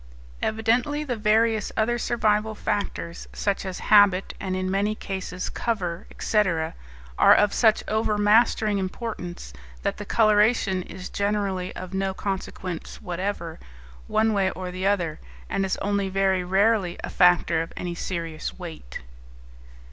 Evidently the various other survival factors, such as habit, and in many cases cover, etc., are of such overmastering importance that the coloration is generally of no consequence whatever, one way or the other, and is only very rarely a factor of any serious weight.